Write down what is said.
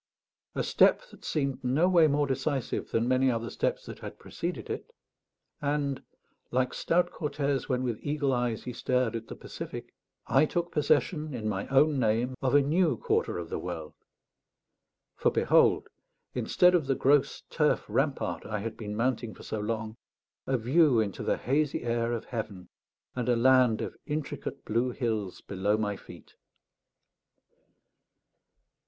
A step that seemed no way more decisive than many other steps that had preceded it and, "like stout Cortez when, with eagle eyes, he stared at the Pacific," I took possession, in my own name, of a new quarter of the world. For behold, instead of the gross turf rampart I had been mounting for so long, a view into the hazy air of heaven, and a land of intricate blue hills below my feet.